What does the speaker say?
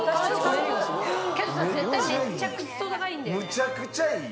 むちゃくちゃいい。